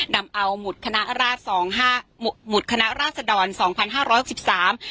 นำเอาหมุดคณะราชสองห้าหมุดหมุดคณะราชดรสองพันห้าร้อยหกสิบสาม